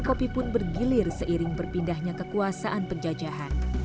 kopi pun bergilir seiring berpindahnya kekuasaan penjajahan